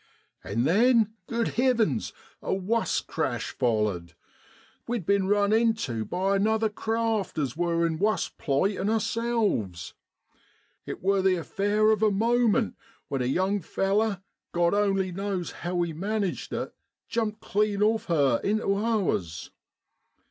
' An' then, good Hivins ! a wuss crash follered ! We'd been run intu by another craft as wor in wuss plight 'an ourselves. It wor the affair of a moment, when a young feller, Grod only knows how he managed it, jumped clean off her intu ours.